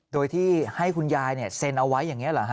โดยที่ให้คุณยายเซ็นเอาไว้อย่างนี้เหรอฮ